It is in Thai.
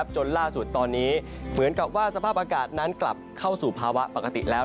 จนล่าสุดตอนนี้เหมือนกับว่าสภาพอากาศนั้นกลับเข้าสู่ภาวะปกติแล้ว